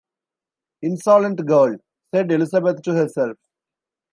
“Insolent girl!” said Elizabeth to herself.